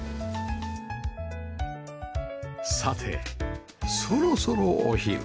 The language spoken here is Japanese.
さてそろそろお昼